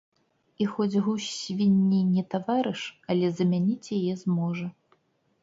І хоць гусь свінні не таварыш, але замяніць яе зможа.